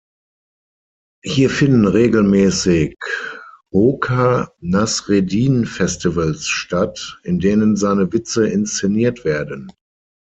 Hier finden regelmäßig Hoca-Nasreddin-Festivals statt, in denen seine Witze inszeniert werden.